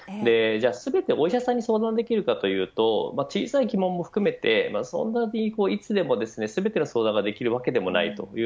全てお医者さんに相談できるかというと小さい疑問も含めていつでも全ての相談ができるわけではありません。